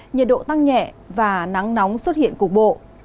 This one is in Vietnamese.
nhiệt độ tăng nhẹ và nắng nóng xuất hiện cục bộ